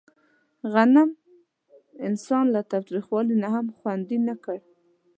غنم انسان له تاوتریخوالي نه هم خوندي نه کړ.